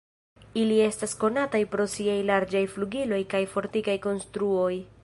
Ili estas konataj pro siaj larĝaj flugiloj kaj fortikaj konstruoj.